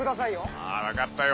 ああわかったよ。